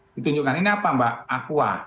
ditunjukkan ini apa mbak aqua